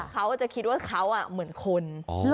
เขาก็จะคิดว่าเขาเหมือนคน